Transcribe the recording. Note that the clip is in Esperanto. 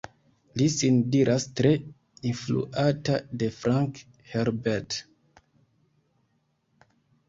Li sin diras tre influata de Frank Herbert.